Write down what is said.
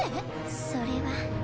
それは。